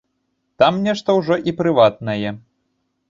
Там нешта ўжо і прыватнае.